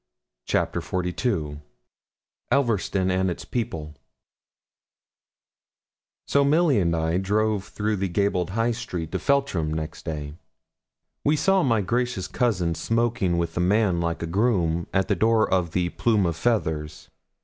CHAPTER XLII ELVERSTON AND ITS PEOPLE So Milly and I drove through the gabled high street of Feltram next day. We saw my gracious cousin smoking with a man like a groom, at the door of the 'Plume of Feathers.'